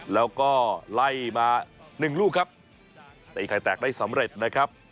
แล้วก็ไล่มาหนึ่งลูกครับตีไข่แตกได้สำเร็จนะครับ